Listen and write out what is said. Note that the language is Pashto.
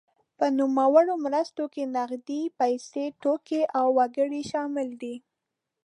په نوموړو مرستو کې نغدې پیسې، توکي او وګړي شامل دي.